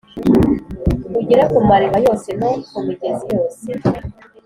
ugere ku mariba yose no kumigezi yose